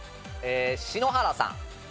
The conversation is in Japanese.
篠原さん。